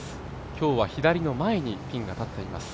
今日は左の前にピンが立っています。